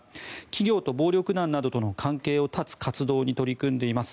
企業と暴力団などと関係を断つ活動に取り組んでいます